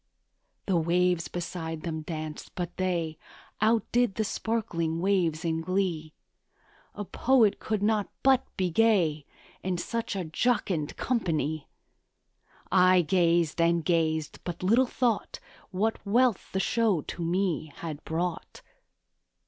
The waves beside them danced; but they Outdid the sparkling waves in glee; A poet could not but be gay In such a jocund company; I gazed and gazed but little thought What wealth the show to me had brought.